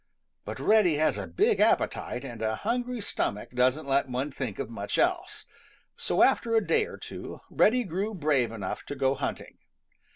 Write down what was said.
But Reddy has a big appetite, and a hungry stomach doesn't let one think of much else. So after a day or two, Reddy grew brave enough to go hunting.